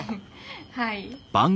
はい。